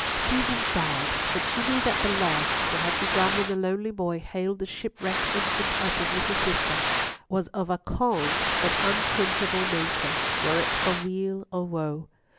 Susan sighed, but she knew that the love, that had begun when the lonely boy hailed the shipwrecked infant as his little sister, was of a calm, but unquenchable nature, were it for weal or woe.